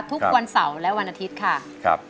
ทุกวันเสาร์และวันอาทิตย์ค่ะ